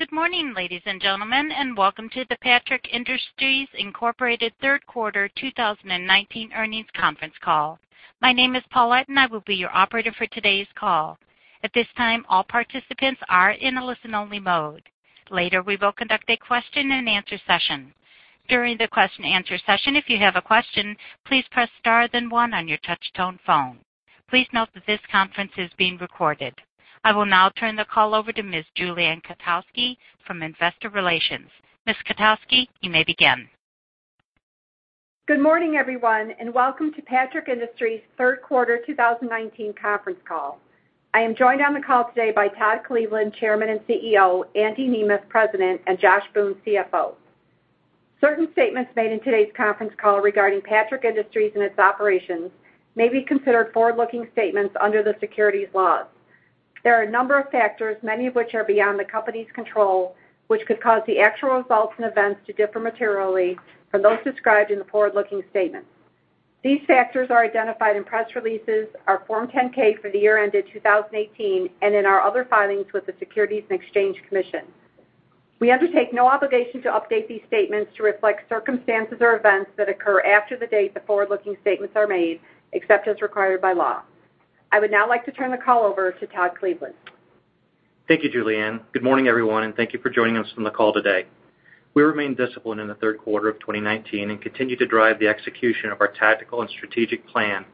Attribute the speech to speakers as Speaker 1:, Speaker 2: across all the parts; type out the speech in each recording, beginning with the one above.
Speaker 1: Good morning, ladies and gentlemen, and welcome to the Patrick Industries Incorporated third quarter 2019 earnings conference call. My name is Paul Atten. I will be your Operator for today's call. At this time, all participants are in a listen-only mode. Later, we will conduct a question and answer session. During the question answer session, if you have a question, please press star then one on your touch tone phone. Please note that this conference is being recorded. I will now turn the call over to Ms. Julie Ann Kotowski from Investor Relations. Ms. Kotowski, you may begin.
Speaker 2: Good morning, everyone, and welcome to Patrick Industries' third quarter 2019 conference call. I am joined on the call today by Todd Cleveland, Chairman and CEO, Andy Nemeth, President, and Joshua Boone, CFO. Certain statements made in today's conference call regarding Patrick Industries and its operations may be considered forward-looking statements under the securities laws. There are a number of factors, many of which are beyond the company's control, which could cause the actual results and events to differ materially from those described in the forward-looking statements. These factors are identified in press releases, our Form 10-K for the year ended 2018, and in our other filings with the Securities and Exchange Commission. We undertake no obligation to update these statements to reflect circumstances or events that occur after the date the forward-looking statements are made, except as required by law. I would now like to turn the call over to Todd Cleveland.
Speaker 3: Thank you, Julie Anne. Good morning, everyone, and thank you for joining us on the call today. We remain disciplined in the third quarter of 2019 and continue to drive the execution of our tactical and strategic plan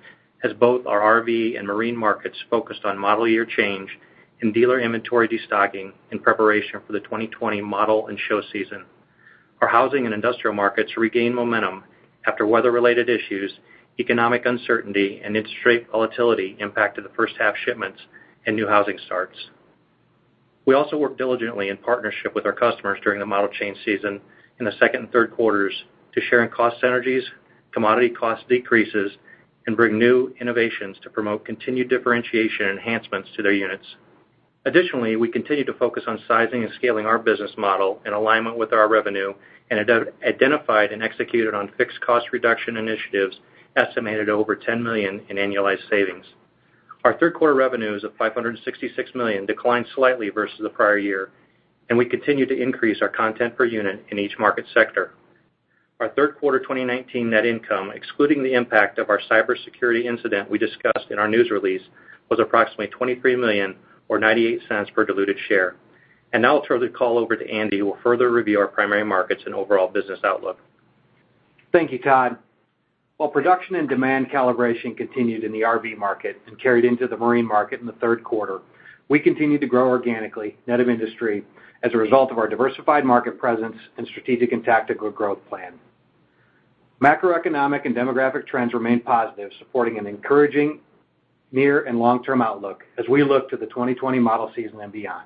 Speaker 3: as both our RV and marine markets focused on model year change and dealer inventory destocking in preparation for the 2020 model and show season. Our housing and industrial markets regain momentum after weather-related issues, economic uncertainty, and interest rate volatility impacted the first half shipments and new housing starts. We also work diligently in partnership with our customers during the model change season in the second and third quarters to share in cost synergies, commodity cost decreases, and bring new innovations to promote continued differentiation and enhancements to their units. Additionally, we continue to focus on sizing and scaling our business model in alignment with our revenue and identified and executed on fixed cost reduction initiatives estimated over $10 million in annualized savings. Our third quarter revenues of $566 million declined slightly versus the prior year, and we continue to increase our content per unit in each market sector. Our third quarter 2019 net income, excluding the impact of our cybersecurity incident we discussed in our news release, was approximately $23 million or $0.98 per diluted share. Now I'll turn the call over to Andy, who will further review our primary markets and overall business outlook.
Speaker 4: Thank you, Todd. While production and demand calibration continued in the RV market and carried into the marine market in the third quarter, we continued to grow organically, net of industry, as a result of our diversified market presence and strategic and tactical growth plan. Macroeconomic and demographic trends remain positive, supporting an encouraging near and long-term outlook as we look to the 2020 model season and beyond.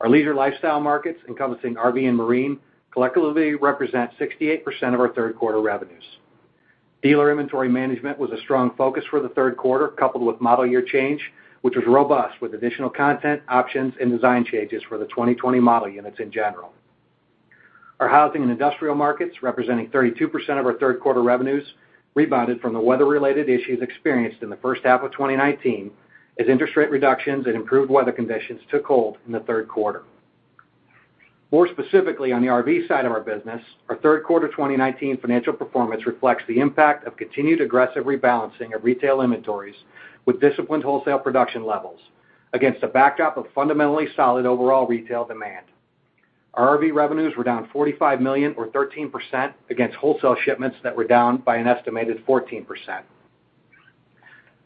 Speaker 4: Our leisure lifestyle markets, encompassing RV and marine, collectively represent 68% of our third quarter revenues. Dealer inventory management was a strong focus for the third quarter, coupled with model year change, which was robust with additional content, options, and design changes for the 2020 model units in general. Our housing and industrial markets, representing 32% of our third quarter revenues, rebounded from the weather-related issues experienced in the first half of 2019 as interest rate reductions and improved weather conditions took hold in the third quarter. More specifically on the RV side of our business, our third quarter 2019 financial performance reflects the impact of continued aggressive rebalancing of retail inventories with disciplined wholesale production levels against a backdrop of fundamentally solid overall retail demand. Our RV revenues were down $45 million or 13% against wholesale shipments that were down by an estimated 14%.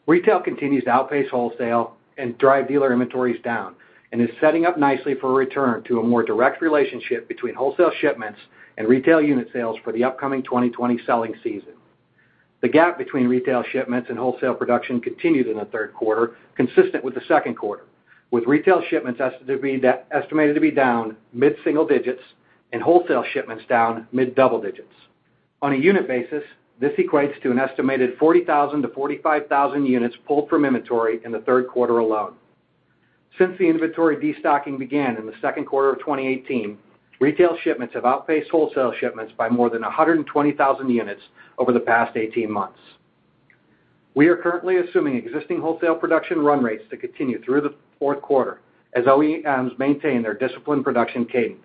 Speaker 4: Retail continues to outpace wholesale and drive dealer inventories down and is setting up nicely for a return to a more direct relationship between wholesale shipments and retail unit sales for the upcoming 2020 selling season. The gap between retail shipments and wholesale production continued in the third quarter, consistent with the second quarter, with retail shipments estimated to be down mid-single digits and wholesale shipments down mid-double digits. On a unit basis, this equates to an estimated 40,000-45,000 units pulled from inventory in the third quarter alone. Since the inventory destocking began in the second quarter of 2018, retail shipments have outpaced wholesale shipments by more than 120,000 units over the past 18 months. We are currently assuming existing wholesale production run rates to continue through the fourth quarter as OEMs maintain their disciplined production cadence.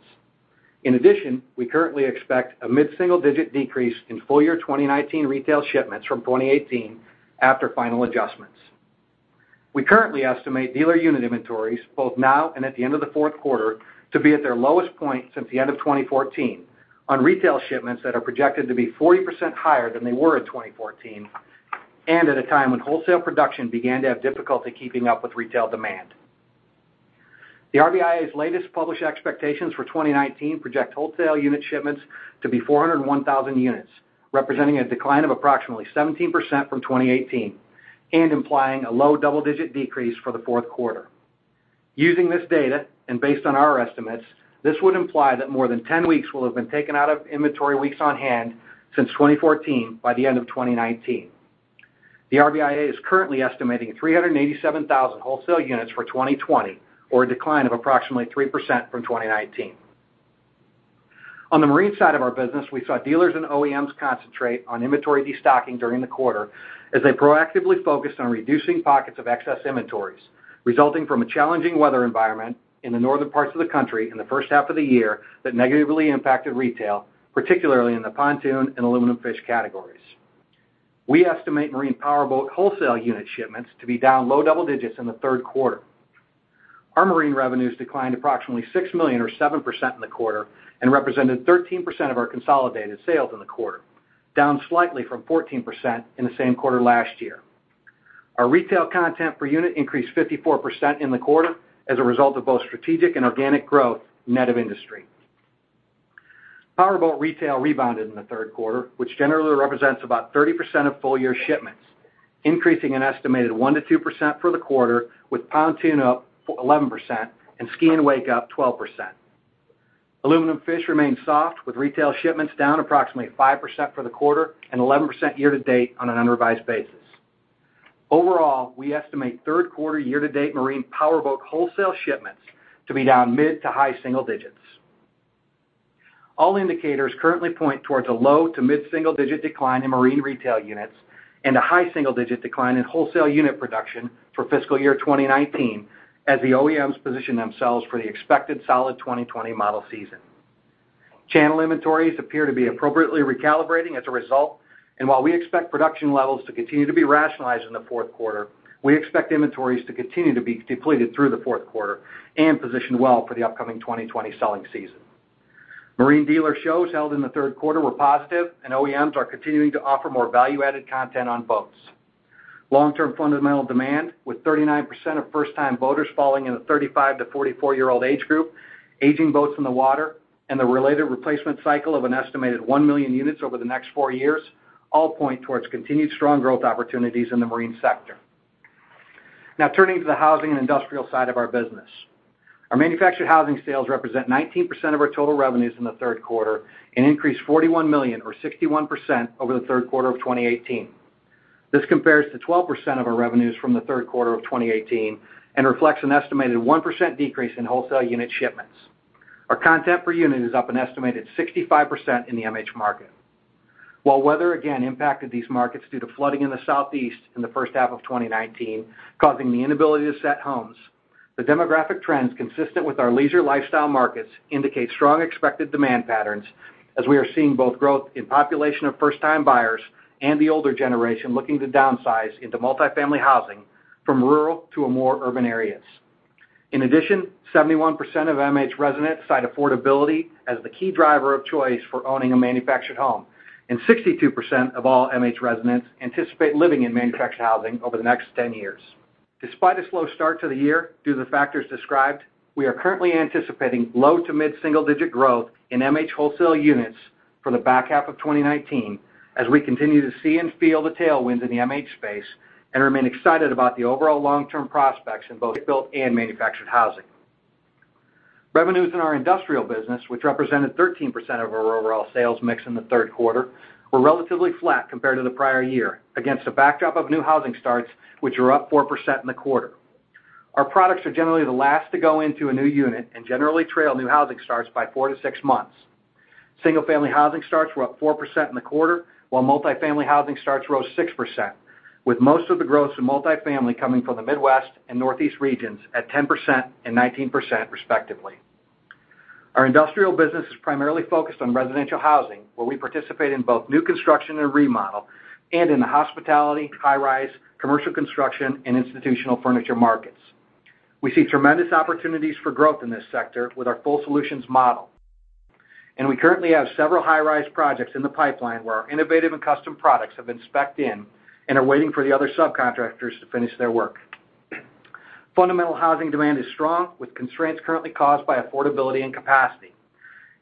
Speaker 4: In addition, we currently expect a mid-single-digit decrease in full year 2019 retail shipments from 2018 after final adjustments. We currently estimate dealer unit inventories both now and at the end of the fourth quarter to be at their lowest point since the end of 2014 on retail shipments that are projected to be 40% higher than they were in 2014 and at a time when wholesale production began to have difficulty keeping up with retail demand. The RVIA's latest published expectations for 2019 project wholesale unit shipments to be 401,000 units, representing a decline of approximately 17% from 2018 and implying a low double-digit decrease for the fourth quarter. Using this data and based on our estimates, this would imply that more than 10 weeks will have been taken out of inventory weeks on hand since 2014 by the end of 2019. The RVIA is currently estimating 387,000 wholesale units for 2020, or a decline of approximately 3% from 2019. On the marine side of our business, we saw dealers and OEMs concentrate on inventory destocking during the quarter as they proactively focused on reducing pockets of excess inventories, resulting from a challenging weather environment in the northern parts of the country in the first half of the year that negatively impacted retail, particularly in the pontoon and aluminum fish categories. We estimate marine powerboat wholesale unit shipments to be down low double digits in the third quarter. Our marine revenues declined approximately $6 million or 7% in the quarter, and represented 13% of our consolidated sales in the quarter, down slightly from 14% in the same quarter last year. Our retail content per unit increased 54% in the quarter as a result of both strategic and organic growth net of industry. Powerboat retail rebounded in the third quarter, which generally represents about 30% of full-year shipments, increasing an estimated 1%-2% for the quarter, with pontoon up 11% and ski and wake up 12%. Aluminum fish remained soft, with retail shipments down approximately 5% for the quarter and 11% year-to-date on an unrevised basis. Overall, we estimate third quarter year-to-date marine powerboat wholesale shipments to be down mid-to-high single digits. All indicators currently point towards a low-to-mid-single digit decline in marine retail units and a high single-digit decline in wholesale unit production for fiscal year 2019, as the OEMs position themselves for the expected solid 2020 model season. Channel inventories appear to be appropriately recalibrating as a result. While we expect production levels to continue to be rationalized in the fourth quarter, we expect inventories to continue to be depleted through the fourth quarter and position well for the upcoming 2020 selling season. Marine dealer shows held in the third quarter were positive. OEMs are continuing to offer more value-added content on boats. Long-term fundamental demand, with 39% of first-time boaters falling in the 35 to 44-year-old age group, aging boats in the water, and the related replacement cycle of an estimated 1 million units over the next four years, all point towards continued strong growth opportunities in the marine sector. Turning to the housing and industrial side of our business. Our manufactured housing sales represent 19% of our total revenues in the third quarter and increased $41 million or 61% over the third quarter of 2018. This compares to 12% of our revenues from the third quarter of 2018 and reflects an estimated 1% decrease in wholesale unit shipments. Our content per unit is up an estimated 65% in the MH market. While weather again impacted these markets due to flooding in the Southeast in the first half of 2019, causing the inability to set homes, the demographic trends consistent with our leisure lifestyle markets indicate strong expected demand patterns, as we are seeing both growth in population of first-time buyers and the older generation looking to downsize into multifamily housing from rural to more urban areas. In addition, 71% of MH residents cite affordability as the key driver of choice for owning a manufactured home, and 62% of all MH residents anticipate living in manufactured housing over the next 10 years. Despite a slow start to the year due to the factors described, we are currently anticipating low to mid-single digit growth in MH wholesale units for the back half of 2019 as we continue to see and feel the tailwinds in the MH space and remain excited about the overall long-term prospects in both built and manufactured housing. Revenues in our industrial business, which represented 13% of our overall sales mix in the third quarter, were relatively flat compared to the prior year against a backdrop of new housing starts, which were up 4% in the quarter. Our products are generally the last to go into a new unit and generally trail new housing starts by four to six months. Single-family housing starts were up 4% in the quarter, while multifamily housing starts rose 6%, with most of the growth in multifamily coming from the Midwest and Northeast regions at 10% and 19% respectively. Our industrial business is primarily focused on residential housing, where we participate in both new construction and remodel, and in the hospitality, high rise, commercial construction, and institutional furniture markets. We see tremendous opportunities for growth in this sector with our full solutions model, and we currently have several high-rise projects in the pipeline where our innovative and custom products have been specced in and are waiting for the other subcontractors to finish their work. Fundamental housing demand is strong, with constraints currently caused by affordability and capacity.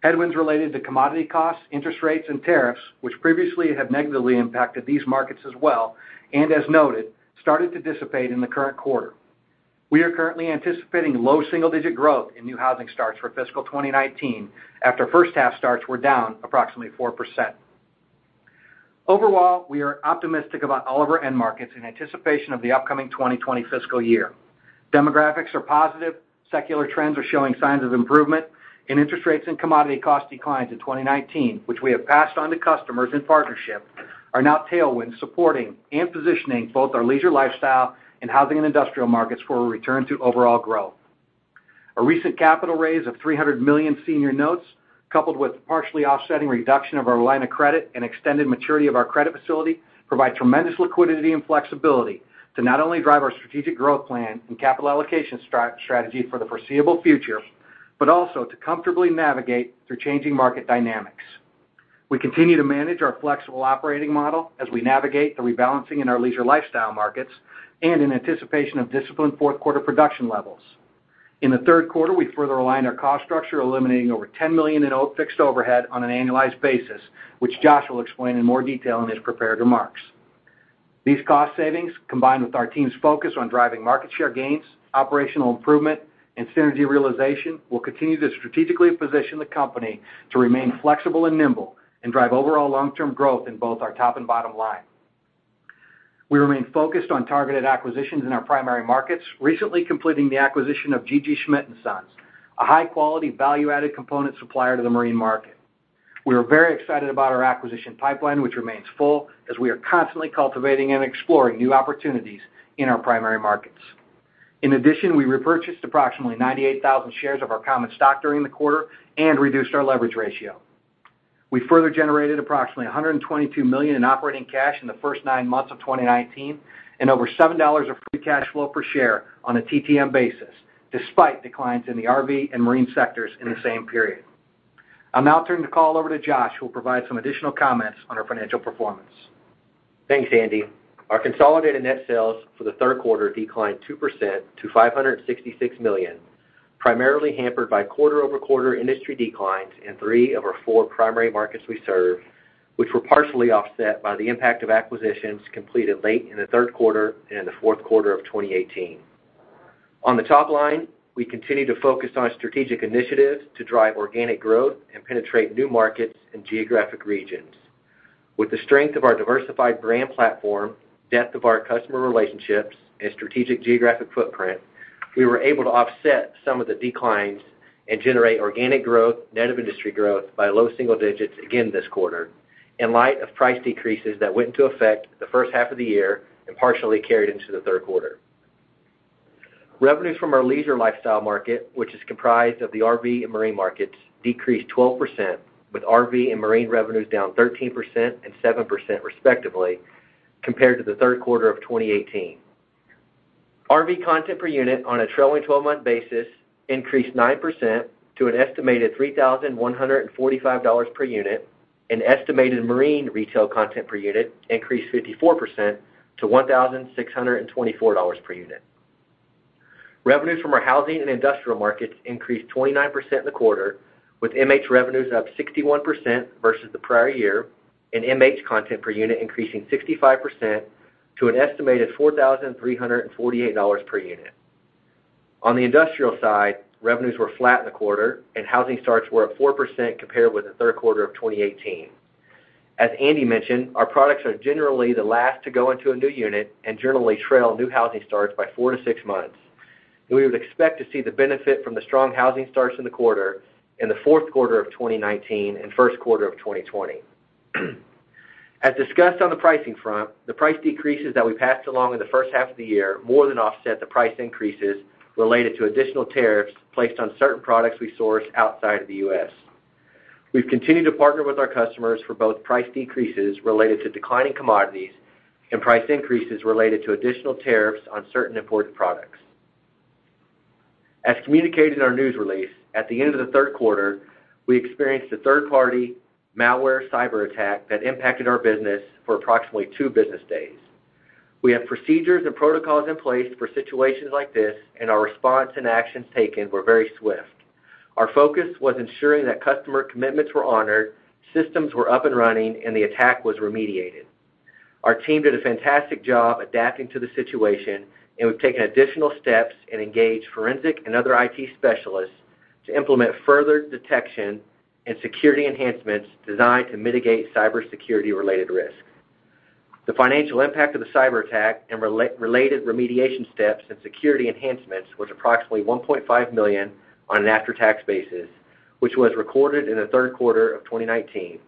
Speaker 4: Headwinds related to commodity costs, interest rates, and tariffs, which previously have negatively impacted these markets as well, and as noted, started to dissipate in the current quarter. We are currently anticipating low double-digit growth in new housing starts for fiscal 2019 after first-half starts were down approximately 4%. Overall, we are optimistic about all of our end markets in anticipation of the upcoming 2020 fiscal year. Demographics are positive. Secular trends are showing signs of improvement, and interest rates and commodity cost declines in 2019, which we have passed on to customers in partnership, are now tailwinds supporting and positioning both our leisure lifestyle and housing and industrial markets for a return to overall growth. A recent capital raise of $300 million senior notes, coupled with partially offsetting reduction of our line of credit and extended maturity of our credit facility, provide tremendous liquidity and flexibility to not only drive our strategic growth plan and capital allocation strategy for the foreseeable future, but also to comfortably navigate through changing market dynamics. We continue to manage our flexible operating model as we navigate the rebalancing in our leisure lifestyle markets and in anticipation of disciplined fourth quarter production levels. In the third quarter, we further aligned our cost structure, eliminating over $10 million in fixed overhead on an annualized basis, which Josh will explain in more detail in his prepared remarks. These cost savings, combined with our team's focus on driving market share gains, operational improvement, and synergy realization, will continue to strategically position the company to remain flexible and nimble and drive overall long-term growth in both our top and bottom line. We remain focused on targeted acquisitions in our primary markets, recently completing the acquisition of G.G. Schmitt & Sons, a high-quality value-added component supplier to the marine market. We are very excited about our acquisition pipeline, which remains full as we are constantly cultivating and exploring new opportunities in our primary markets. In addition, we repurchased approximately 98,000 shares of our common stock during the quarter and reduced our leverage ratio. We further generated approximately $122 million in operating cash in the first nine months of 2019, and over $7 of free cash flow per share on a TTM basis, despite declines in the RV and marine sectors in the same period. I'll now turn the call over to Josh, who will provide some additional comments on our financial performance.
Speaker 5: Thanks, Andy. Our consolidated net sales for the third quarter declined 2% to $566 million, primarily hampered by quarter-over-quarter industry declines in three of our four primary markets we serve, which were partially offset by the impact of acquisitions completed late in the third quarter and in the fourth quarter of 2018. On the top line, we continue to focus on strategic initiatives to drive organic growth and penetrate new markets and geographic regions. With the strength of our diversified brand platform, depth of our customer relationships, and strategic geographic footprint, we were able to offset some of the declines and generate organic growth net of industry growth by low single digits again this quarter, in light of price decreases that went into effect the first half of the year and partially carried into the third quarter. Revenues from our leisure lifestyle market, which is comprised of the RV and marine markets, decreased 12%, with RV and marine revenues down 13% and 7% respectively, compared to the third quarter of 2018. RV content per unit on a trailing 12-month basis increased 9% to an estimated $3,145 per unit, and estimated marine retail content per unit increased 54% to $1,624 per unit. Revenues from our housing and industrial markets increased 29% in the quarter, with MH revenues up 61% versus the prior year, and MH content per unit increasing 65% to an estimated $4,348 per unit. On the industrial side, revenues were flat in the quarter, and housing starts were up 4% compared with the third quarter of 2018. As Andy mentioned, our products are generally the last to go into a new unit and generally trail new housing starts by four to six months, and we would expect to see the benefit from the strong housing starts in the quarter in the fourth quarter of 2019 and first quarter of 2020. As discussed on the pricing front, the price decreases that we passed along in the first half of the year more than offset the price increases related to additional tariffs placed on certain products we source outside of the U.S. We've continued to partner with our customers for both price decreases related to declining commodities and price increases related to additional tariffs on certain imported products. As communicated in our news release, at the end of the third quarter, we experienced a third-party malware cyber attack that impacted our business for approximately two business days. We have procedures and protocols in place for situations like this, and our response and actions taken were very swift. Our focus was ensuring that customer commitments were honored, systems were up and running, and the attack was remediated. Our team did a fantastic job adapting to the situation, and we've taken additional steps and engaged forensic and other IT specialists to implement further detection and security enhancements designed to mitigate cybersecurity-related risk. The financial impact of the cyber attack and related remediation steps and security enhancements was approximately $1.5 million on an after-tax basis, which was recorded in the third quarter of 2019.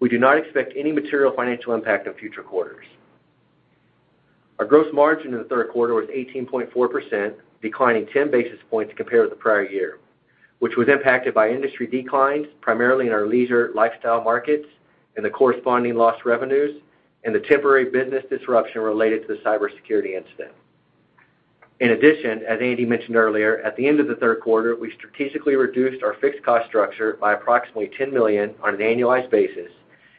Speaker 5: We do not expect any material financial impact in future quarters. Our gross margin in the third quarter was 18.4%, declining 10 basis points compared to the prior year, which was impacted by industry declines, primarily in our leisure lifestyle markets and the corresponding loss revenues, and the temporary business disruption related to the cybersecurity incident. In addition, as Andy mentioned earlier, at the end of the third quarter, we strategically reduced our fixed cost structure by approximately $10 million on an annualized basis,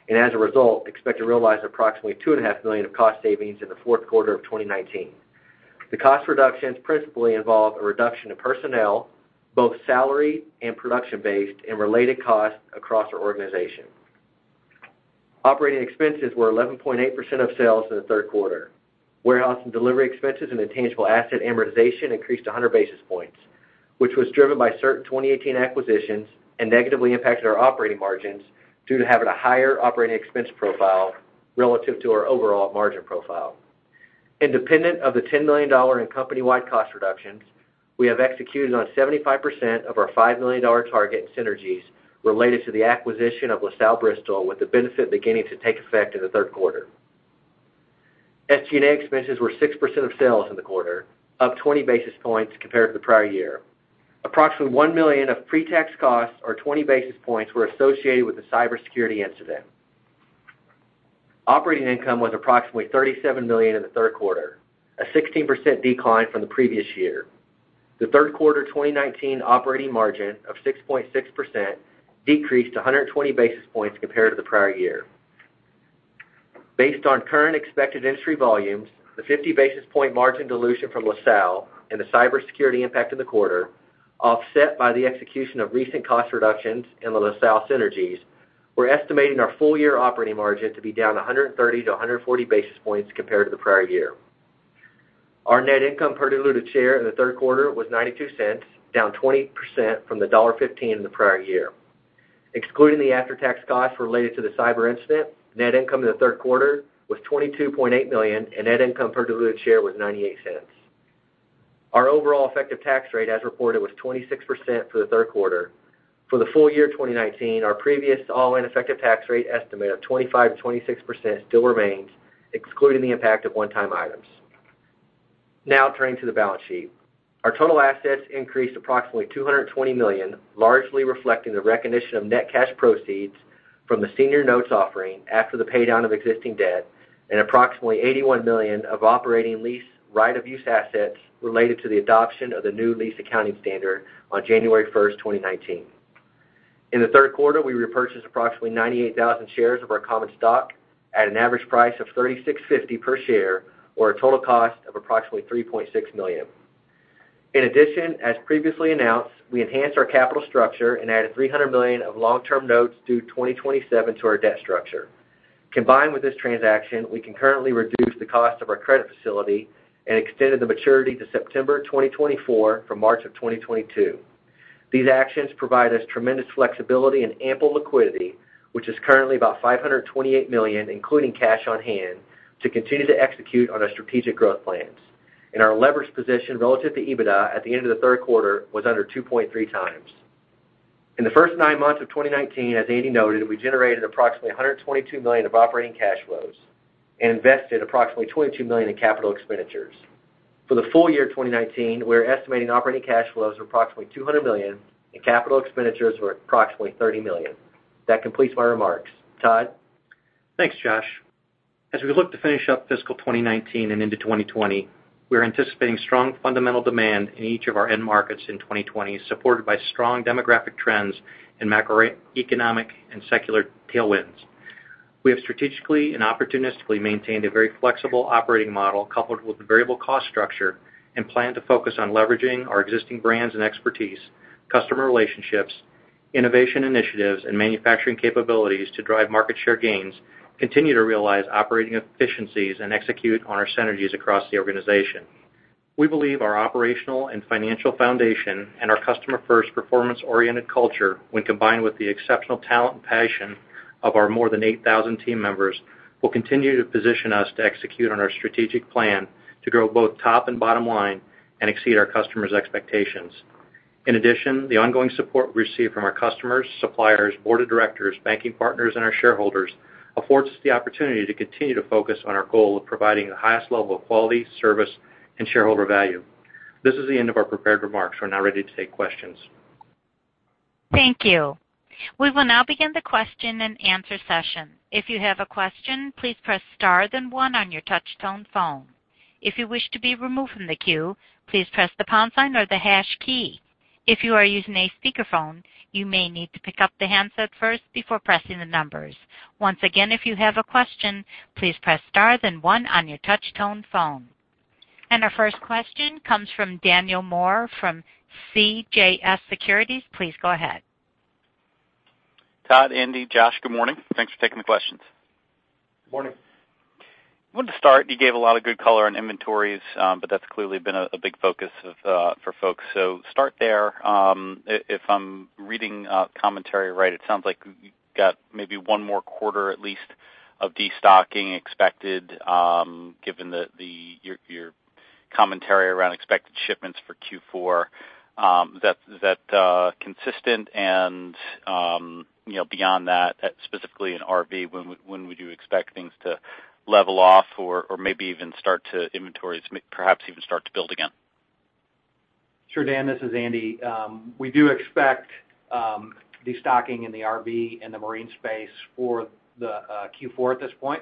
Speaker 5: and as a result, expect to realize approximately $two and a half million of cost savings in the fourth quarter of 2019. The cost reductions principally involve a reduction of personnel, both salary and production based, and related costs across our organization. Operating expenses were 11.8% of sales in the third quarter. Warehouse and delivery expenses and intangible asset amortization increased 100 basis points, which was driven by certain 2018 acquisitions and negatively impacted our operating margins due to having a higher operating expense profile relative to our overall margin profile. Independent of the $10 million in company-wide cost reductions, we have executed on 75% of our $5 million target synergies related to the acquisition of LaSalle Bristol, with the benefit beginning to take effect in the third quarter. SG&A expenses were 6% of sales in the quarter, up 20 basis points compared to the prior year. Approximately $1 million of pre-tax costs, or 20 basis points, were associated with the cybersecurity incident. Operating income was approximately $37 million in the third quarter, a 16% decline from the previous year. The third quarter 2019 operating margin of 6.6% decreased to 120 basis points compared to the prior year. Based on current expected industry volumes, the 50 basis point margin dilution from LaSalle and the cybersecurity impact in the quarter, offset by the execution of recent cost reductions and the LaSalle synergies, we're estimating our full year operating margin to be down 130-140 basis points compared to the prior year. Our net income per diluted share in the third quarter was $0.92, down 20% from the $1.15 in the prior year. Excluding the after-tax costs related to the cyber incident, net income in the third quarter was $22.8 million, and net income per diluted share was $0.98. Our overall effective tax rate as reported was 26% for the third quarter. For the full year 2019, our previous all-in effective tax rate estimate of 25%-26% still remains, excluding the impact of one-time items. Now turning to the balance sheet. Our total assets increased approximately $220 million, largely reflecting the recognition of net cash proceeds from the senior notes offering after the paydown of existing debt and approximately $81 million of operating lease right-of-use assets related to the adoption of the new lease accounting standard on January 1, 2019. In the third quarter, we repurchased approximately 98,000 shares of our common stock at an average price of $36.50 per share, or a total cost of approximately $3.6 million. In addition, as previously announced, we enhanced our capital structure and added $300 million of long-term notes due 2027 to our debt structure. Combined with this transaction, we concurrently reduced the cost of our credit facility and extended the maturity to September 2024 from March 2022. These actions provide us tremendous flexibility and ample liquidity, which is currently about $528 million, including cash on hand, to continue to execute on our strategic growth plans. Our leverage position relative to EBITDA at the end of the third quarter was under 2.3 times. In the first nine months of 2019, as Andy noted, we generated approximately $122 million of operating cash flows and invested approximately $22 million in capital expenditures. For the full year 2019, we're estimating operating cash flows of approximately $200 million and capital expenditures were approximately $30 million. That completes my remarks. Todd?
Speaker 3: Thanks, Josh. As we look to finish up fiscal 2019 and into 2020, we're anticipating strong fundamental demand in each of our end markets in 2020, supported by strong demographic trends and macroeconomic and secular tailwinds. We have strategically and opportunistically maintained a very flexible operating model coupled with a variable cost structure and plan to focus on leveraging our existing brands and expertise, customer relationships, innovation initiatives, and manufacturing capabilities to drive market share gains, continue to realize operating efficiencies, and execute on our synergies across the organization. We believe our operational and financial foundation and our customer-first, performance-oriented culture, when combined with the exceptional talent and passion of our more than 8,000 team members, will continue to position us to execute on our strategic plan to grow both top and bottom line and exceed our customers' expectations. The ongoing support we receive from our customers, suppliers, board of directors, banking partners, and our shareholders affords us the opportunity to continue to focus on our goal of providing the highest level of quality, service, and shareholder value. This is the end of our prepared remarks. We're now ready to take questions.
Speaker 1: Thank you. We will now begin the question and answer session. If you have a question, please press star then one on your touch tone phone. If you wish to be removed from the queue, please press the pound sign or the hash key. If you are using a speakerphone, you may need to pick up the handset first before pressing the numbers. Once again, if you have a question, please press star then one on your touch tone phone. Our first question comes from Daniel Moore from CJS Securities. Please go ahead.
Speaker 6: Todd, Andy, Josh, good morning. Thanks for taking the questions.
Speaker 3: Good morning.
Speaker 6: I wanted to start, you gave a lot of good color on inventories, but that's clearly been a big focus for folks. Start there. If I'm reading commentary right, it sounds like you've got maybe one more quarter at least of destocking expected, given your commentary around expected shipments for Q4. Is that consistent? Beyond that, specifically in RV, when would you expect things to level off or maybe even inventories perhaps even start to build again?
Speaker 4: Sure, Dan. This is Andy. We do expect destocking in the RV and the marine space for Q4 at this point.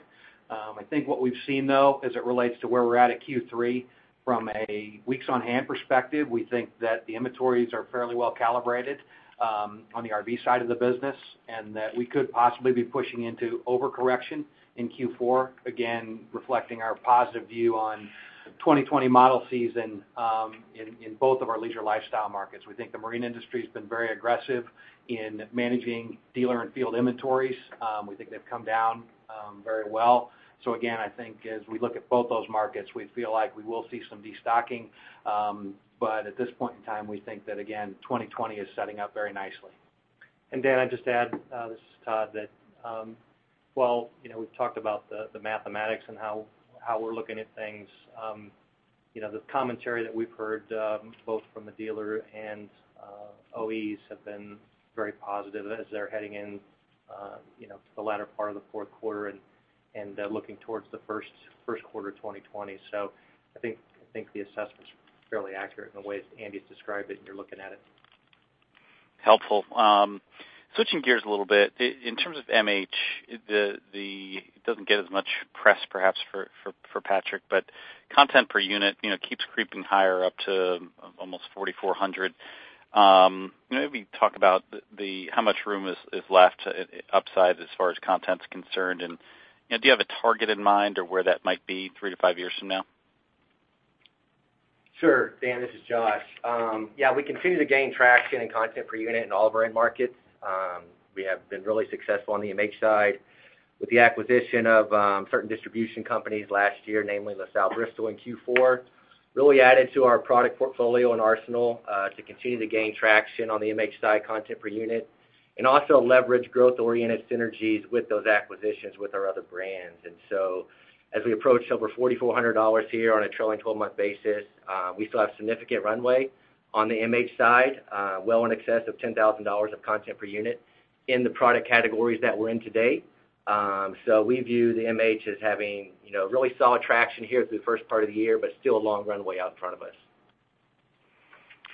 Speaker 4: I think what we've seen, though, as it relates to where we're at Q3 from a weeks on hand perspective, we think that the inventories are fairly well calibrated on the RV side of the business, and that we could possibly be pushing into overcorrection in Q4, again, reflecting our positive view on 2020 model season in both of our leisure lifestyle markets. We think the marine industry has been very aggressive in managing dealer and field inventories. We think they've come down very well. Again, I think as we look at both those markets, we feel like we will see some destocking. At this point in time, we think that, again, 2020 is setting up very nicely.
Speaker 3: Dan, I'd just add, this is Todd, that while we've talked about the mathematics and how we're looking at things, the commentary that we've heard both from the dealer and OEs have been very positive as they're heading in to the latter part of the fourth quarter and looking towards the first quarter 2020. I think the assessment's fairly accurate in the way Andy's described it and you're looking at it.
Speaker 6: Helpful. Switching gears a little bit. In terms of MH, it doesn't get as much press perhaps for Patrick, but content per unit keeps creeping higher up to almost 4,400. Maybe talk about how much room is left upside as far as content's concerned, and do you have a target in mind or where that might be 3-5 years from now?
Speaker 5: Sure, Dan, this is Josh. We continue to gain traction and content per unit in all of our end markets. We have been really successful on the MH side with the acquisition of certain distribution companies last year, namely LaSalle Bristol in Q4, really added to our product portfolio and arsenal to continue to gain traction on the MH side content per unit, and also leverage growth-oriented synergies with those acquisitions with our other brands. As we approach over $4,400 here on a trailing 12-month basis, we still have significant runway on the MH side, well in excess of $10,000 of content per unit in the product categories that we're in today. We view the MH as having really solid traction here through the first part of the year, but still a long runway out in front of us.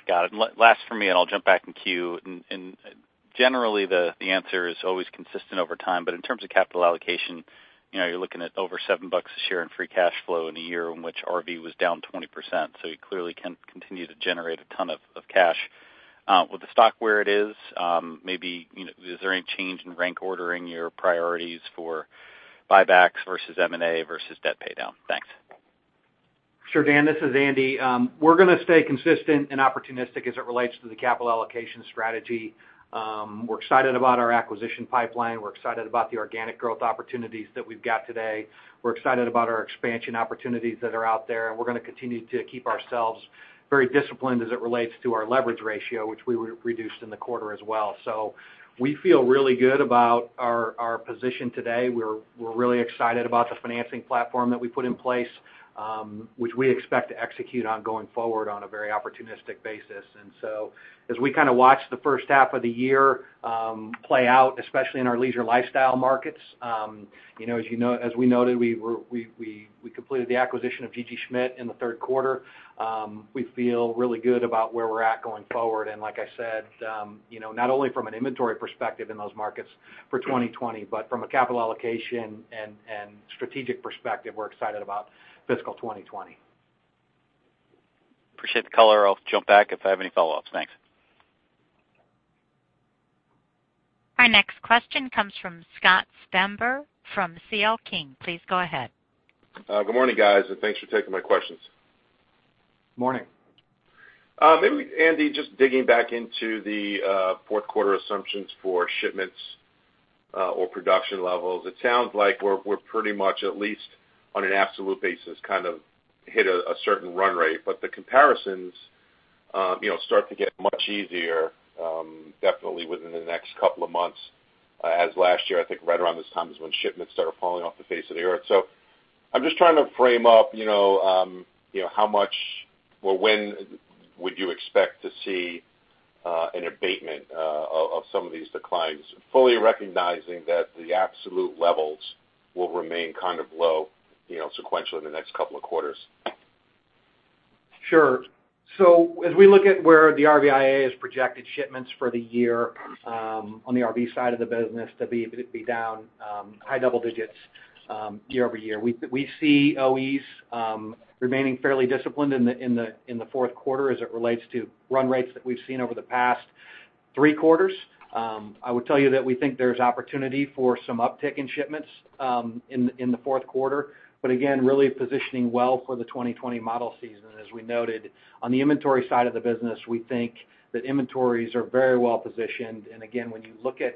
Speaker 6: Got it. Last from me, and I'll jump back in queue. Generally, the answer is always consistent over time, but in terms of capital allocation, you're looking at over $7 a share in free cash flow in a year in which RV was down 20%. You clearly can continue to generate a ton of cash. With the stock where it is, maybe is there any change in rank ordering your priorities for buybacks versus M&A versus debt pay down? Thanks.
Speaker 4: Sure, Dan. This is Andy. We're going to stay consistent and opportunistic as it relates to the capital allocation strategy. We're excited about our acquisition pipeline. We're excited about the organic growth opportunities that we've got today. We're excited about our expansion opportunities that are out there. We're going to continue to keep ourselves very disciplined as it relates to our leverage ratio, which we reduced in the quarter as well. We feel really good about our position today. We're really excited about the financing platform that we put in place, which we expect to execute on going forward on a very opportunistic basis. As we kind of watch the first half of the year play out, especially in our leisure lifestyle markets, as we noted, we completed the acquisition of G.G. Schmitt in the third quarter. We feel really good about where we're at going forward. Like I said, not only from an inventory perspective in those markets for 2020, but from a capital allocation and strategic perspective, we're excited about fiscal 2020.
Speaker 6: Appreciate the color. I'll jump back if I have any follow-ups. Thanks.
Speaker 1: Our next question comes from Scott Stember from C.L. King. Please go ahead.
Speaker 7: Good morning, guys, and thanks for taking my questions.
Speaker 4: Morning.
Speaker 7: Maybe, Andy, just digging back into the fourth quarter assumptions for shipments or production levels. It sounds like we're pretty much, at least on an absolute basis, kind of hit a certain run rate. The comparisons start to get much easier definitely within the next couple of months as last year, I think right around this time is when shipments started falling off the face of the earth. I'm just trying to frame up when would you expect to see an abatement of some of these declines, fully recognizing that the absolute levels will remain kind of low sequentially in the next couple of quarters?
Speaker 4: Sure. As we look at where the RVIA has projected shipments for the year on the RV side of the business to be down high double digits year-over-year, we see OEs remaining fairly disciplined in the fourth quarter as it relates to run rates that we've seen over the past three quarters. I would tell you that we think there's opportunity for some uptick in shipments in the fourth quarter. Again, really positioning well for the 2020 model season. As we noted, on the inventory side of the business, we think that inventories are very well positioned. Again, when you look at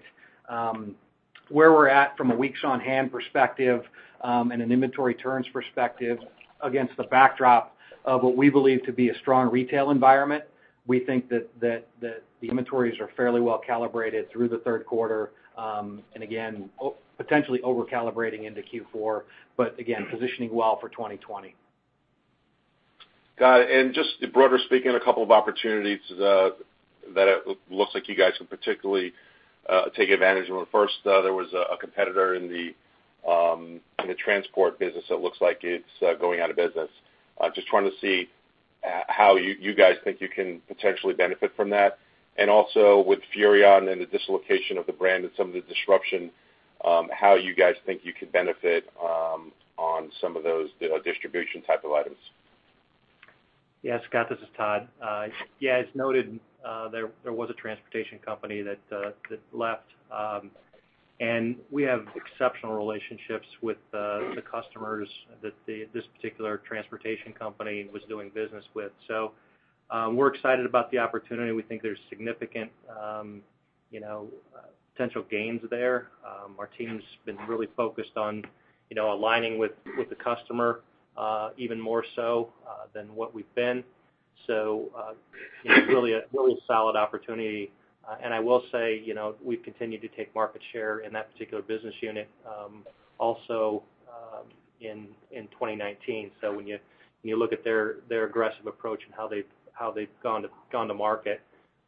Speaker 4: where we're at from a weeks on hand perspective and an inventory turns perspective against the backdrop of what we believe to be a strong retail environment, we think that the inventories are fairly well calibrated through the third quarter. Again, potentially over-calibrating into Q4, but again, positioning well for 2020.
Speaker 7: Got it. Just broader speaking, a couple of opportunities that it looks like you guys can particularly take advantage of. First, there was a competitor in the transport business that looks like it's going out of business. Just trying to see how you guys think you can potentially benefit from that. Also with Furrion and the dislocation of the brand and some of the disruption, how you guys think you could benefit on some of those distribution type of items.
Speaker 4: Scott, this is Todd. As noted, there was a transportation company that left. We have exceptional relationships with the customers that this particular transportation company was doing business with. We're excited about the opportunity. We think there's significant potential gains there. Our team's been really focused on aligning with the customer even more so than what we've been. It's really a solid opportunity. I will say, we've continued to take market share in that particular business unit also in 2019. When you look at their aggressive approach and how they've gone to market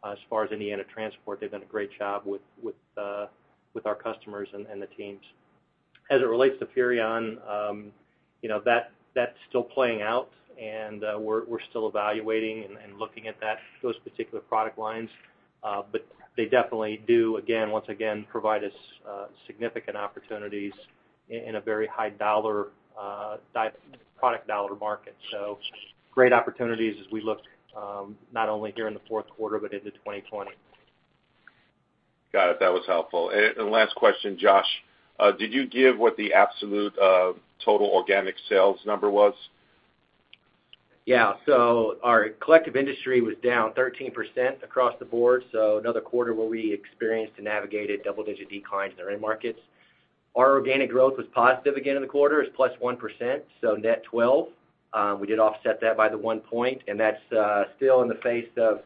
Speaker 4: as far as Indiana Transport, they've done a great job with our customers and the teams. As it relates to Furrion, that's still playing out, and we're still evaluating and looking at those particular product lines.
Speaker 3: They definitely do, once again, provide us significant opportunities in a very high product dollar market. Great opportunities as we look not only here in the fourth quarter, but into 2020.
Speaker 7: Got it. That was helpful. Last question, Josh. Did you give what the absolute total organic sales number was?
Speaker 5: Yeah. Our collective industry was down 13% across the board, so another quarter where we experienced and navigated double-digit declines in our end markets. Our organic growth was positive again in the quarter. It's plus 1%, so net 12. We did offset that by the one point, and that's still in the face of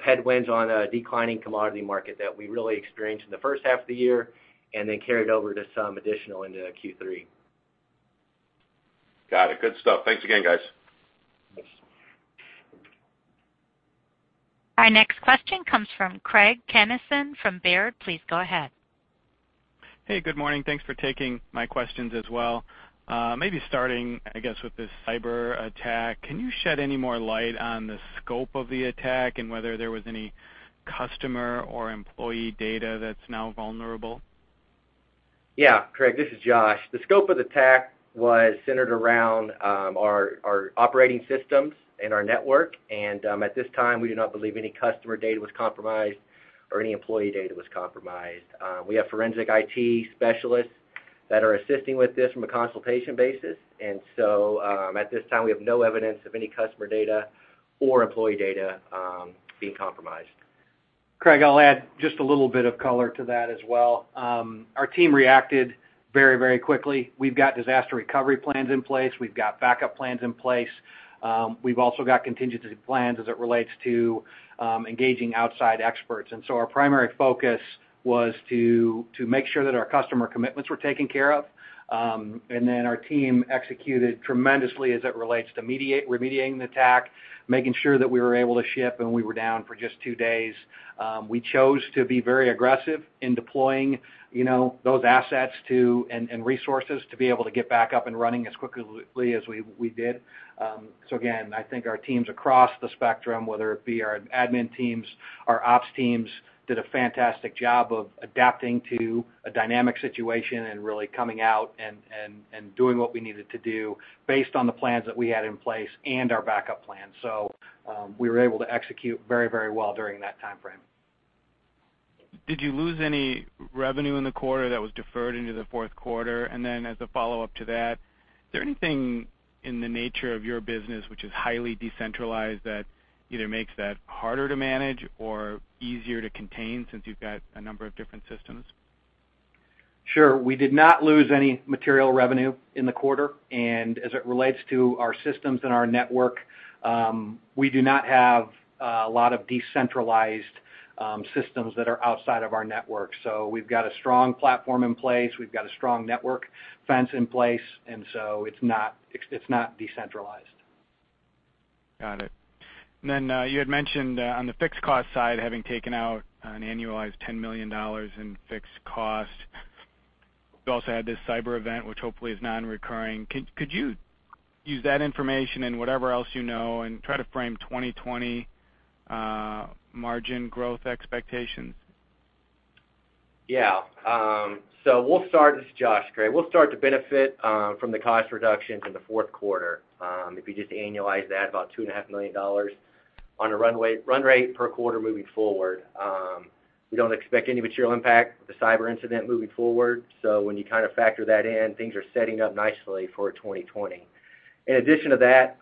Speaker 5: headwinds on a declining commodity market that we really experienced in the first half of the year, and then carried over to some additional into Q3.
Speaker 7: Got it. Good stuff. Thanks again, guys.
Speaker 5: Thanks.
Speaker 1: Our next question comes from Craig Kennison from Baird. Please go ahead.
Speaker 8: Hey, good morning. Thanks for taking my questions as well. Maybe starting, I guess, with this cyber attack. Can you shed any more light on the scope of the attack and whether there was any customer or employee data that's now vulnerable?
Speaker 5: Yeah. Craig, this is Josh. The scope of the attack was centered around our operating systems and our network. At this time, we do not believe any customer data was compromised or any employee data was compromised. We have forensic IT specialists that are assisting with this from a consultation basis. At this time, we have no evidence of any customer data or employee data being compromised.
Speaker 4: Craig, I'll add just a little bit of color to that as well. Our team reacted very quickly. We've got disaster recovery plans in place. We've got backup plans in place. We've also got contingency plans as it relates to engaging outside experts. Our primary focus was to make sure that our customer commitments were taken care of, and then our team executed tremendously as it relates to remediating the attack, making sure that we were able to ship, and we were down for just two days. We chose to be very aggressive in deploying those assets and resources to be able to get back up and running as quickly as we did. Again, I think our teams across the spectrum, whether it be our admin teams, our ops teams, did a fantastic job of adapting to a dynamic situation and really coming out and doing what we needed to do based on the plans that we had in place and our backup plan. We were able to execute very well during that timeframe.
Speaker 8: Did you lose any revenue in the quarter that was deferred into the fourth quarter? As a follow-up to that, is there anything in the nature of your business which is highly decentralized that either makes that harder to manage or easier to contain since you've got a number of different systems?
Speaker 4: Sure. We did not lose any material revenue in the quarter. As it relates to our systems and our network, we do not have a lot of decentralized systems that are outside of our network. We've got a strong platform in place. We've got a strong network fence in place, and so it's not decentralized.
Speaker 8: Got it. You had mentioned on the fixed cost side, having taken out an annualized $10 million in fixed cost. You also had this cyber event, which hopefully is non-recurring. Could you use that information and whatever else you know and try to frame 2020 margin growth expectations?
Speaker 5: Yeah. This is Josh, Craig. We'll start to benefit from the cost reductions in the fourth quarter. If you just annualize that, about $2.5 million on a run rate per quarter moving forward. We don't expect any material impact with the cyber incident moving forward. When you kind of factor that in, things are setting up nicely for 2020. In addition to that,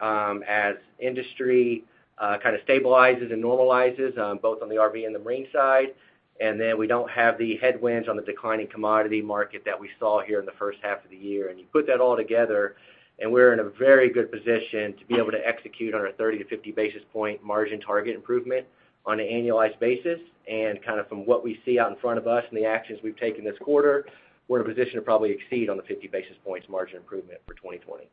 Speaker 5: as industry kind of stabilizes and normalizes, both on the RV and the marine side, and then we don't have the headwinds on the declining commodity market that we saw here in the first half of the year. You put that all together, and we're in a very good position to be able to execute on a 30 to 50 basis point margin target improvement on an annualized basis. Kind of from what we see out in front of us and the actions we've taken this quarter, we're in a position to probably exceed on the 50 basis points margin improvement for 2020.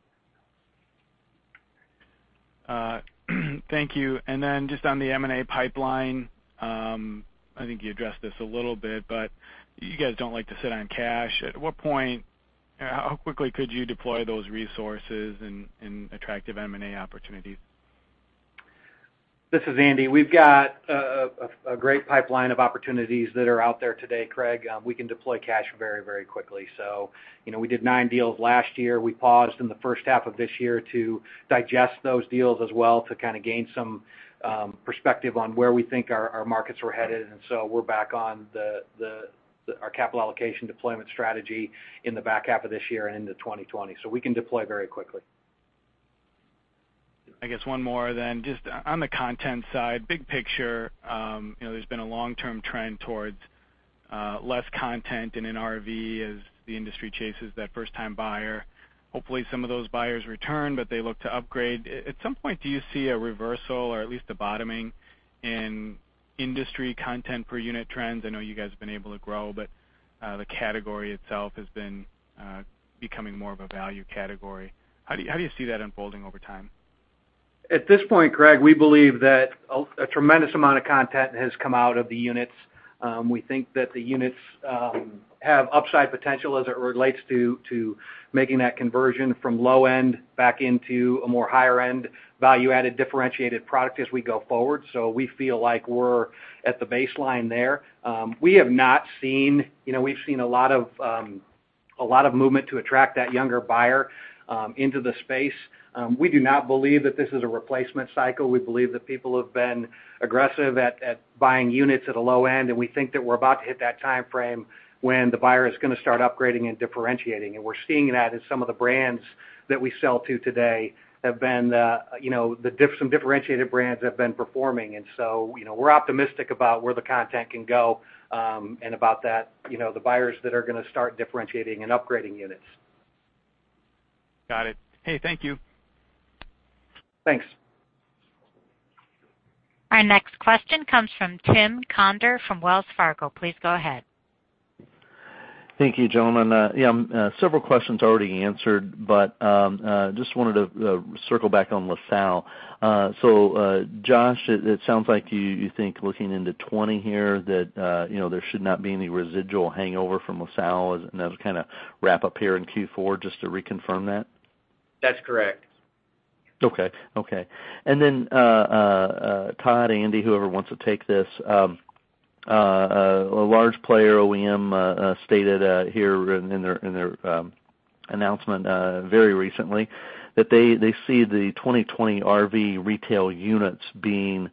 Speaker 8: Thank you. Just on the M&A pipeline, I think you addressed this a little bit, but you guys don't like to sit on cash. At what point, or how quickly could you deploy those resources in attractive M&A opportunities?
Speaker 4: This is Andy. We've got a great pipeline of opportunities that are out there today, Craig. We can deploy cash very quickly. We did nine deals last year. We paused in the first half of this year to digest those deals as well to kind of gain some perspective on where we think our markets were headed. We're back on our capital allocation deployment strategy in the back half of this year and into 2020. We can deploy very quickly.
Speaker 8: I guess one more then. Just on the content side, big picture, there's been a long-term trend towards less content in an RV as the industry chases that first-time buyer. Hopefully, some of those buyers return, but they look to upgrade. At some point, do you see a reversal or at least a bottoming in industry content per unit trends? I know you guys have been able to grow, but the category itself has been becoming more of a value category. How do you see that unfolding over time?
Speaker 4: At this point, Craig, we believe that a tremendous amount of content has come out of the units. We think that the units have upside potential as it relates to making that conversion from low end back into a more higher-end, value-added, differentiated product as we go forward. We feel like we're at the baseline there. We've seen a lot of movement to attract that younger buyer into the space. We do not believe that this is a replacement cycle. We believe that people have been aggressive at buying units at the low end, and we think that we're about to hit that time frame when the buyer is going to start upgrading and differentiating. We're seeing that in some of the brands that we sell to today, some differentiated brands have been performing. We're optimistic about where the content can go, and about the buyers that are going to start differentiating and upgrading units.
Speaker 8: Got it. Hey, thank you.
Speaker 4: Thanks.
Speaker 1: Our next question comes from Tim Conder from Wells Fargo. Please go ahead.
Speaker 9: Thank you, gentlemen. Several questions already answered, but just wanted to circle back on LaSalle. Josh, it sounds like you think looking into 2020 here that there should not be any residual hangover from LaSalle, and that'll kind of wrap up here in Q4, just to reconfirm that?
Speaker 4: That's correct.
Speaker 9: Okay. Todd, Andy, whoever wants to take this. A large player OEM stated here in their announcement very recently that they see the 2020 RV retail units being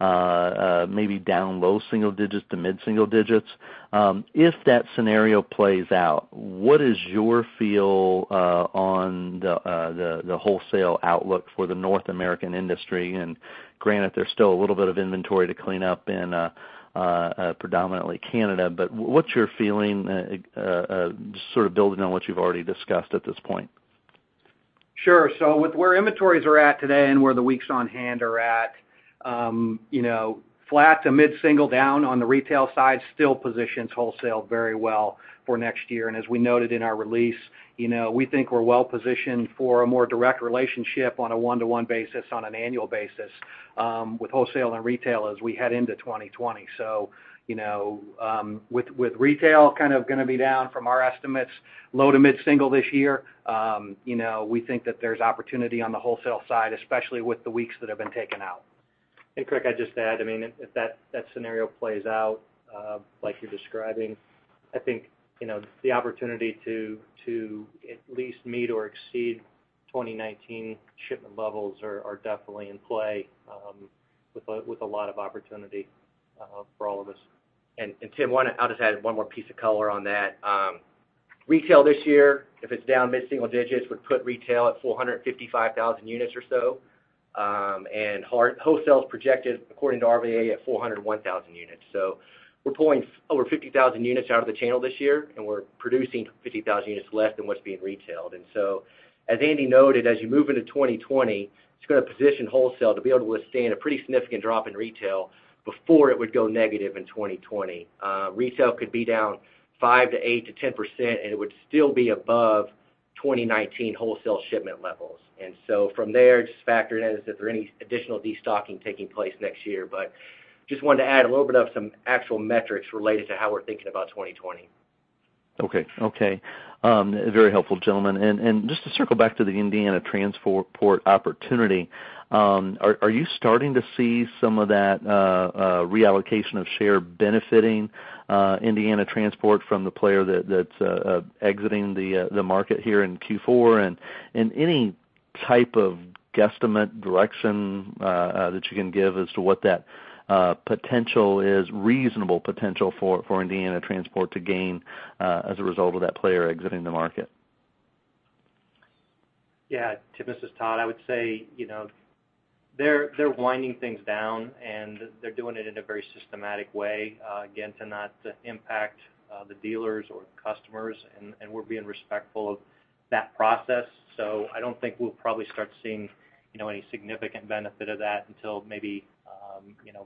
Speaker 9: maybe down low single digits to mid single digits. If that scenario plays out, what is your feel on the wholesale outlook for the North American industry? Granted, there's still a little bit of inventory to clean up in predominantly Canada, but what's your feeling, just sort of building on what you've already discussed at this point?
Speaker 4: Sure. With where inventories are at today and where the weeks on hand are at, flat to mid-single down on the retail side still positions wholesale very well for next year. As we noted in our release, we think we're well-positioned for a more direct relationship on a one-to-one basis on an annual basis with wholesale and retail as we head into 2020. With retail kind of going to be down from our estimates, low to mid-single this year, we think that there's opportunity on the wholesale side, especially with the weeks that have been taken out.
Speaker 3: Craig, I'd just add, if that scenario plays out like you're describing, I think, the opportunity to at least meet or exceed 2019 shipment levels are definitely in play with a lot of opportunity for all of us.
Speaker 5: Tim, I'll just add one more piece of color on that. Retail this year, if it's down mid-single digits, would put retail at 455,000 units or so. Wholesale's projected, according to RVIA, at 401,000 units. We're pulling over 50,000 units out of the channel this year, and we're producing 50,000 units less than what's being retailed. As Andy noted, as you move into 2020, it's going to position wholesale to be able to withstand a pretty significant drop in retail before it would go negative in 2020. Retail could be down 5% to 8% to 10%, and it would still be above 2019 wholesale shipment levels. From there, just factor in as if there are any additional destocking taking place next year. Just wanted to add a little bit of some actual metrics related to how we're thinking about 2020.
Speaker 9: Okay. Very helpful, gentlemen. Just to circle back to the Indiana Transport opportunity, are you starting to see some of that reallocation of share benefiting Indiana Transport from the player that's exiting the market here in Q4? Any type of guesstimate direction that you can give as to what that potential is, reasonable potential for Indiana Transport to gain as a result of that player exiting the market?
Speaker 3: Yeah. Tim, this is Todd. I would say, they're winding things down, they're doing it in a very systematic way, again, to not impact the dealers or the customers. We're being respectful of that process. I don't think we'll probably start seeing any significant benefit of that until maybe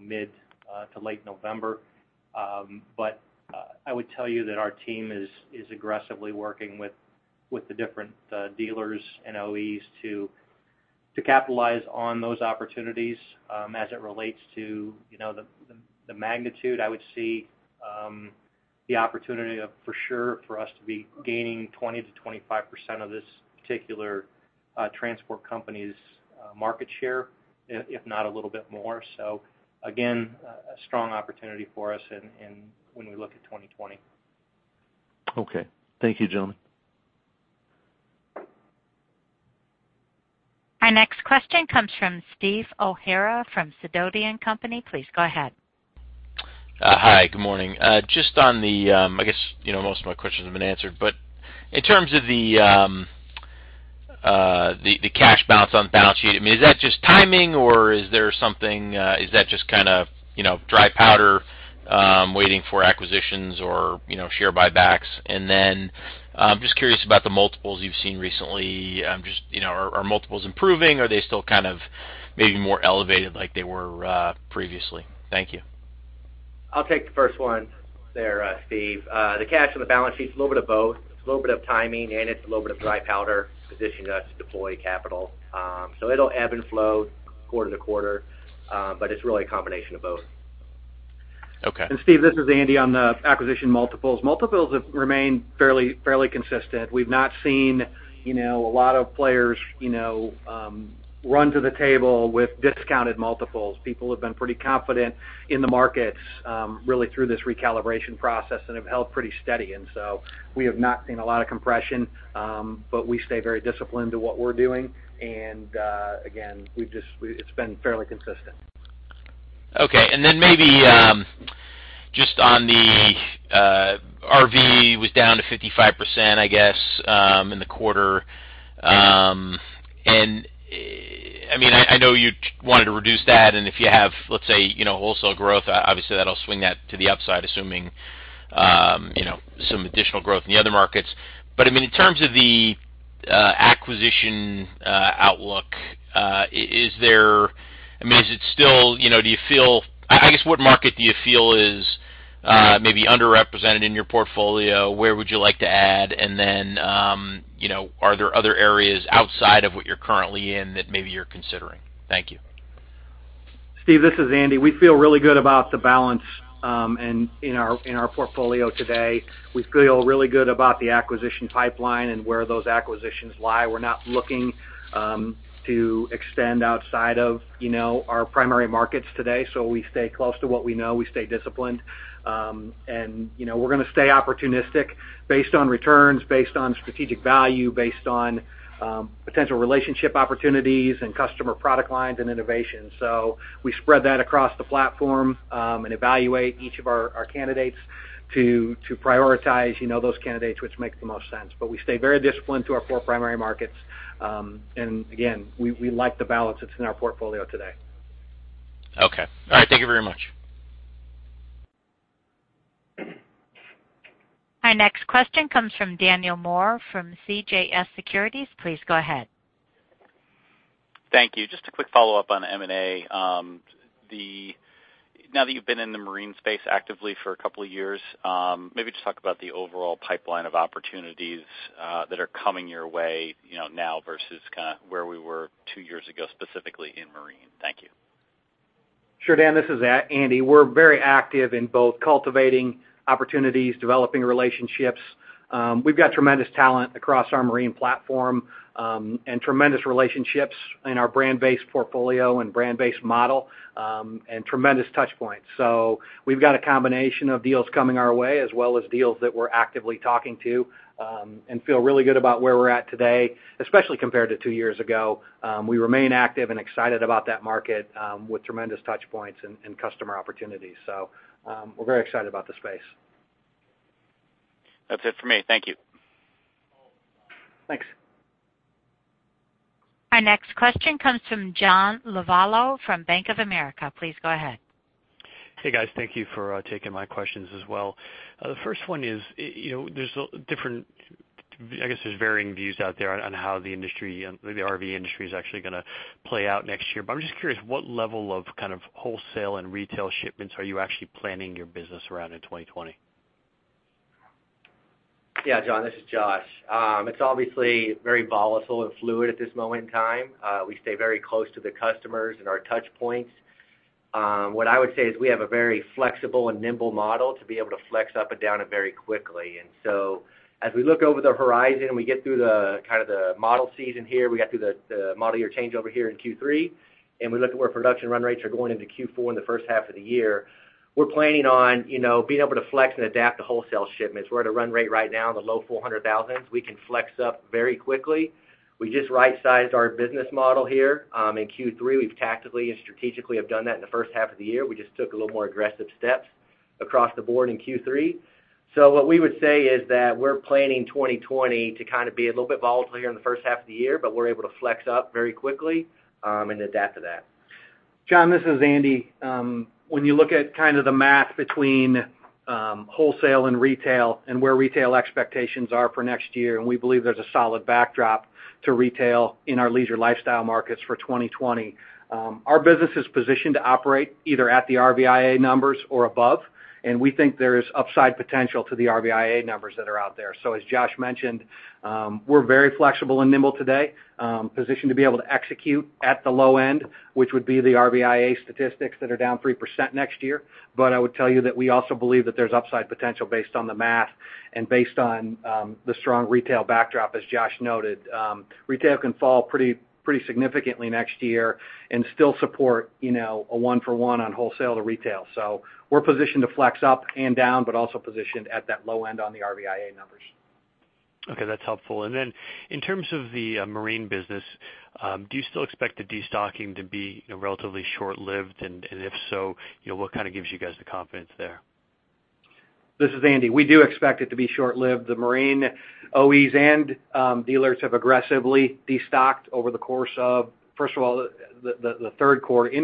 Speaker 3: mid to late November. I would tell you that our team is aggressively working with the different dealers and OEs to capitalize on those opportunities. As it relates to the magnitude, I would see the opportunity for sure for us to be gaining 20%-25% of this particular transport company's market share, if not a little bit more. Again, a strong opportunity for us when we look at 2020.
Speaker 9: Okay. Thank you, gentlemen.
Speaker 1: Our next question comes from Stephen O'Hara from Sidoti & Company. Please go ahead.
Speaker 10: Hi. Good morning. I guess most of my questions have been answered. In terms of the cash balance on the balance sheet, is that just timing, or is that just kind of dry powder waiting for acquisitions or share buybacks? I'm just curious about the multiples you've seen recently. Are multiples improving? Are they still kind of maybe more elevated like they were previously? Thank you.
Speaker 4: I'll take the first one there, Steve. The cash on the balance sheet, it's a little bit of both. It's a little bit of timing, and it's a little bit of dry powder positioning us to deploy capital. It'll ebb and flow quarter to quarter, but it's really a combination of both.
Speaker 10: Okay.
Speaker 4: Steve, this is Andy on the acquisition multiples. Multiples have remained fairly consistent. We've not seen a lot of players run to the table with discounted multiples. People have been pretty confident in the markets, really through this recalibration process and have held pretty steady. We have not seen a lot of compression, but we stay very disciplined to what we're doing. Again, it's been fairly consistent.
Speaker 10: Okay. Then maybe just on the RV was down to 55%, I guess, in the quarter. I know you wanted to reduce that, and if you have, let's say, wholesale growth, obviously that'll swing that to the upside, assuming.
Speaker 4: Yeah
Speaker 10: some additional growth in the other markets. In terms of the acquisition outlook, I guess, what market do you feel is? maybe underrepresented in your portfolio? Where would you like to add? Are there other areas outside of what you're currently in that maybe you're considering? Thank you.
Speaker 4: Stephen, this is Andy. We feel really good about the balance in our portfolio today. We feel really good about the acquisition pipeline and where those acquisitions lie. We're not looking to extend outside of our primary markets today. We stay close to what we know. We stay disciplined. We're going to stay opportunistic based on returns, based on strategic value, based on potential relationship opportunities and customer product lines and innovation. We spread that across the platform, and evaluate each of our candidates to prioritize those candidates which make the most sense. We stay very disciplined to our four primary markets. Again, we like the balance that's in our portfolio today.
Speaker 10: Okay. All right. Thank you very much.
Speaker 1: Our next question comes from Daniel Moore from CJS Securities. Please go ahead.
Speaker 6: Thank you. Just a quick follow-up on M&A. Now that you've been in the marine space actively for a couple of years, maybe just talk about the overall pipeline of opportunities that are coming your way now versus kind of where we were two years ago, specifically in marine. Thank you.
Speaker 4: Sure, Dan. This is Andy. We're very active in both cultivating opportunities, developing relationships. We've got tremendous talent across our marine platform, and tremendous relationships in our brand-based portfolio and brand-based model, and tremendous touch points. We've got a combination of deals coming our way, as well as deals that we're actively talking to, and feel really good about where we're at today, especially compared to two years ago. We remain active and excited about that market, with tremendous touch points and customer opportunities. We're very excited about the space.
Speaker 6: That's it for me. Thank you.
Speaker 4: Thanks.
Speaker 1: Our next question comes from John Lovallo from Bank of America. Please go ahead.
Speaker 11: Hey, guys. Thank you for taking my questions as well. The first one is, there's different, I guess, there's varying views out there on how the RV industry is actually going to play out next year. I'm just curious what level of kind of wholesale and retail shipments are you actually planning your business around in 2020?
Speaker 5: Yeah, John, this is Josh. It's obviously very volatile and fluid at this moment in time. We stay very close to the customers and our touch points. What I would say is we have a very flexible and nimble model to be able to flex up and down very quickly. As we look over the horizon, we get through the kind of the model season here, we got through the model year changeover here in Q3, and we look at where production run rates are going into Q4 in the first half of the year. We're planning on being able to flex and adapt to wholesale shipments. We're at a run rate right now in the low 400,000. We can flex up very quickly. We just right-sized our business model here. In Q3, we've tactically and strategically have done that in the first half of the year. We just took a little more aggressive steps across the board in Q3. What we would say is that we're planning 2020 to kind of be a little bit volatile here in the first half of the year, but we're able to flex up very quickly, and adapt to that.
Speaker 4: John, this is Andy. When you look at the math between wholesale and retail and where retail expectations are for next year, we believe there's a solid backdrop to retail in our leisure lifestyle markets for 2020. Our business is positioned to operate either at the RVIA numbers or above, we think there is upside potential to the RVIA numbers that are out there. As Josh mentioned, we're very flexible and nimble today, positioned to be able to execute at the low end, which would be the RVIA statistics that are down 3% next year. I would tell you that we also believe that there's upside potential based on the math and based on the strong retail backdrop, as Josh noted. Retail can fall pretty significantly next year and still support a one for one on wholesale to retail. We're positioned to flex up and down, but also positioned at that low end on the RVIA numbers.
Speaker 11: Okay, that's helpful. In terms of the marine business, do you still expect the destocking to be relatively short-lived? If so, what kind of gives you guys the confidence there?
Speaker 4: This is Andy. We do expect it to be short-lived. The marine OEs and dealers have aggressively destocked over the course of, first of all, into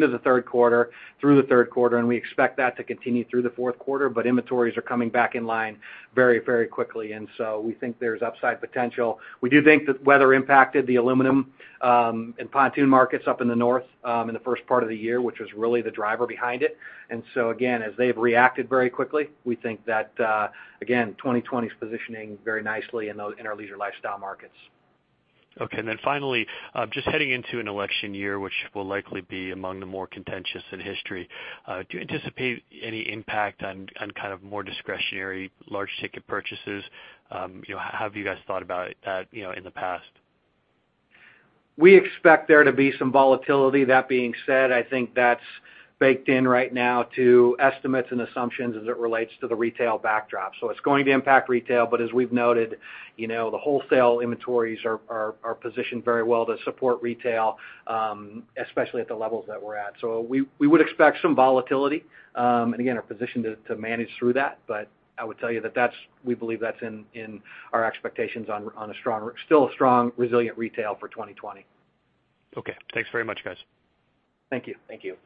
Speaker 4: the third quarter, through the third quarter. We expect that to continue through the fourth quarter. Inventories are coming back in line very quickly. We think there's upside potential. We do think that weather impacted the aluminum and pontoon markets up in the north, in the first part of the year, which was really the driver behind it. Again, as they've reacted very quickly, we think that, again, 2020 is positioning very nicely in our leisure lifestyle markets.
Speaker 11: Okay. Then finally, just heading into an election year, which will likely be among the more contentious in history, do you anticipate any impact on kind of more discretionary large ticket purchases? How have you guys thought about that in the past?
Speaker 4: We expect there to be some volatility. That being said, I think that's baked in right now to estimates and assumptions as it relates to the retail backdrop. It's going to impact retail, but as we've noted, the wholesale inventories are positioned very well to support retail, especially at the levels that we're at. We would expect some volatility, and again, are positioned to manage through that. I would tell you that we believe that's in our expectations on still a strong, resilient retail for 2020.
Speaker 11: Okay. Thanks very much, guys.
Speaker 4: Thank you.
Speaker 5: Thank you.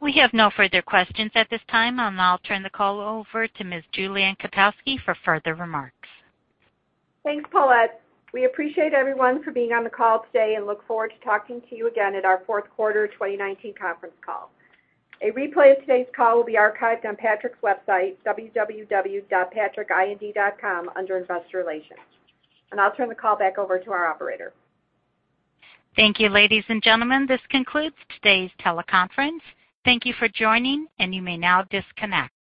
Speaker 1: We have no further questions at this time, and I'll turn the call over to Ms. Julie Ann Kotowski for further remarks.
Speaker 2: Thanks, Paulette. We appreciate everyone for being on the call today and look forward to talking to you again at our fourth quarter 2019 conference call. A replay of today's call will be archived on Patrick's website, www.patrickind.com, under Investor Relations. I'll turn the call back over to our operator.
Speaker 1: Thank you, ladies and gentlemen. This concludes today's teleconference. Thank you for joining, and you may now disconnect.